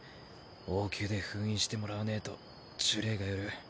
応急で封印してもらわねぇと呪霊が寄る。